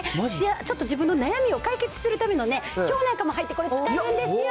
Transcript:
ちょっと自分の悩みを解決するための表なんかも入って、これ、使えるんですよ。